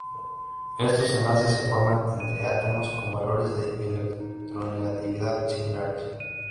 Estos enlaces se forman entre átomos con valores de electronegatividad similares.